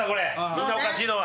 みんなおかしいのは。